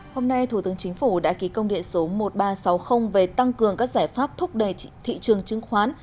hôm nay thủ tướng chính phủ đã ký công điện số một nghìn ba trăm sáu mươi về tăng cường các giải pháp thúc đẩy thị trường chứng khoán